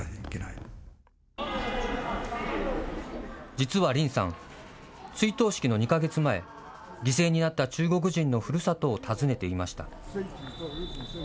実は林さん、追悼式の２か月前、犠牲になった中国人のふるさとを訪ねていました。